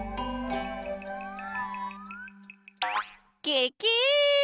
ケケ！